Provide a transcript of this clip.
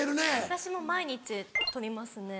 私も毎日撮りますね。